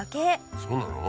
そうなの？